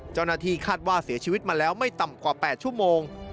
เจ้าหน้าที่คาดว่าเสียชีวิตมาแล้วไม่ต่ำกว่า๘ชั่วโมง